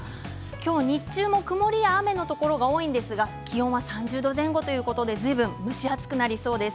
今日、日中も曇りや雨のところが多いんですが気温が３０度前後ということで、ずいぶん蒸し暑くなりそうです。